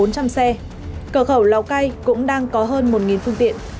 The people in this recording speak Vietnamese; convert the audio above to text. cửa khẩu lào cai cũng đang có hơn một phương tiện